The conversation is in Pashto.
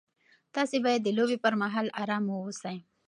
تاسي باید د لوبې پر مهال ارام واوسئ.